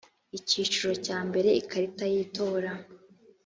icyiciro cya mbere ikarita y itora